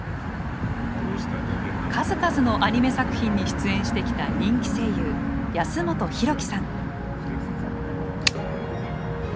数々のアニメ作品に出演してきた人気声優安元洋貴さん。